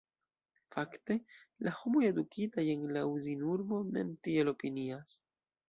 Fakte, la homoj, edukitaj en la Uzinurbo, mem tiel opinias.